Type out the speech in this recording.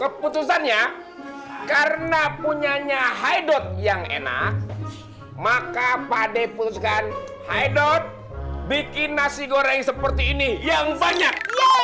keputusannya karena punyanya haidot yang enak maka pade putuskan haidot bikin nasi goreng seperti ini yang banyak